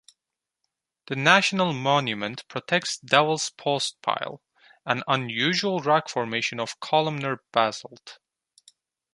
The national monument protects Devils Postpile, an unusual rock formation of columnar basalt.